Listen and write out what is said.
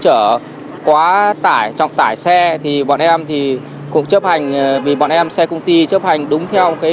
chở quá tải trọng tải xe thì bọn em thì cục chấp hành vì bọn em xe công ty chấp hành đúng theo cái